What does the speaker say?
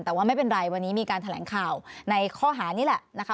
แต่ว่าไม่เป็นไรวันนี้มีการแถลงข่าวในข้อหานี้แหละนะคะ